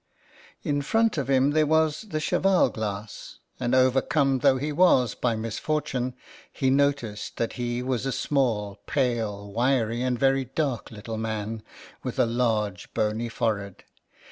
In front of him there was the cheval glass, and overcome though he was by misfortune he noticed that he was a small, pale, wiry and very dark little man, with a large bony forehead.